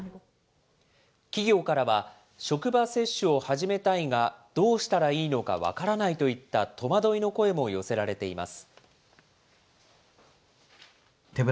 企業からは、職場接種を始めたいが、どうしたらいいのか分からないといった、戸惑いの声も寄せられています。